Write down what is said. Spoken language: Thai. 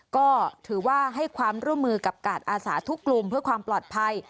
ก็ถือว่าให้ความร่วมมือกับกาดอาสาทุกกลุ่มเพื่อความปลอดภัย